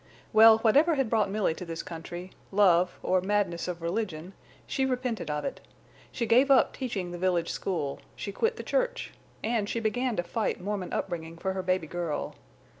Well, whatever had brought Milly to this country—love or madness of religion—she repented of it. She gave up teaching the village school. She quit the church. And she began to fight Mormon upbringing for her baby girl.